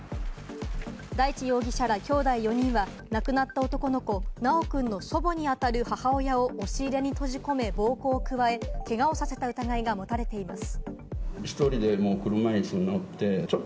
大地容疑者らきょうだい４人は、亡くなった男の子・修くんの祖母にあたる母親を押し入れに閉じ込め暴行を加え、けがをさせた疑いが持たれています。